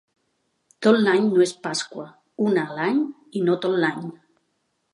Tot l'any no és Pasqua: una a l'any i no tot l'any.